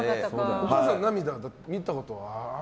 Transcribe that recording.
お母さんの涙見たことはある？